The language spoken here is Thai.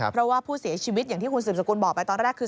เพราะว่าผู้เสียชีวิตอย่างที่คุณสืบสกุลบอกไปตอนแรกคือ